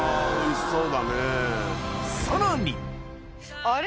さらにあれ？